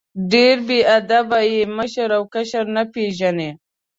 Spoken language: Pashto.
ډېر بې ادب یې ، مشر او کشر نه پېژنې!